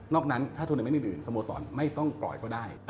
อกนั้นถ้าโทรเมนต์อื่นสโมสรไม่ต้องปล่อยก็ได้